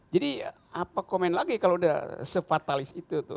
jadi apa komen lagi kalau sudah se fatalis itu tuh